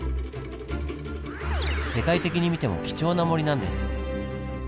世界的に見ても貴重な森なんです。